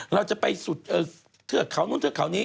เราจะไปสุดเทือกเขานู้นเทือกเขานี้